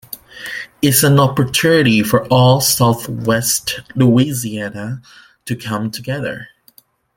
It's an opportunity for all Southwest Louisiana to come togethe.